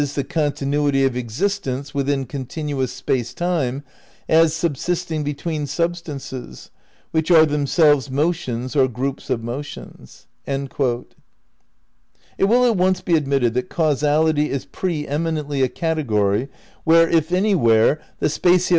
the continuity of existents within continuous Space Time as subsisting between sub stances, which are themselves motions or groups of motions." ' It will at once be admitted that Causality is pre eminently a category where, if anywhere, the spatio ' Space, Time and Deity, Vol. I, p.